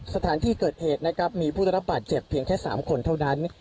สถานที่เกิดเหตุนะครับมีผู้ได้รับบาดเจ็บเพียงแค่๓คนเท่านั้น